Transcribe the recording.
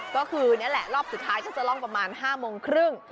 ก็คือนี่แหละรอบสุดท้ายก็จะล่องประมาณ๕โมงครึ่ง